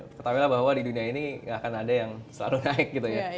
tetapi lah bahwa di dunia ini nggak akan ada yang selalu naik gitu ya